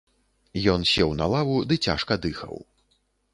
Ён сеў на лаву ды цяжка дыхаў.